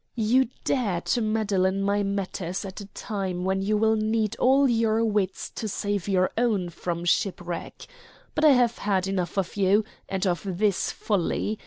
"You dare to meddle in my matters at a time when you will need all your wits to save your own from shipwreck. But I have had enough of you, and of this folly.